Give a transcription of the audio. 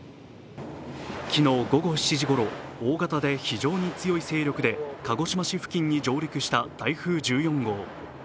昨日午後７時頃、大型で非常に強い勢力で鹿児島市付近に上陸した台風１４号。